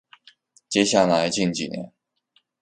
接下来近几年